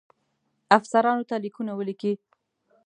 افسرانو ته لیکونه ولیکي.